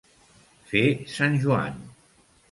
Fer sant Joan.